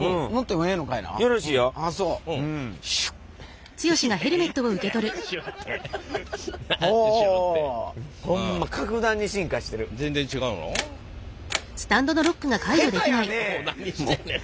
もう何してんねん？